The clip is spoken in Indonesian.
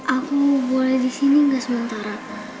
aku boleh disini enggak sementara